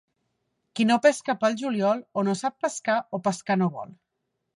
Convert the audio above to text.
Qui no pesca pel juliol, o no sap pescar o pescar no vol.